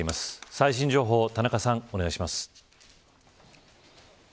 最新情報を田中さん、お願いします。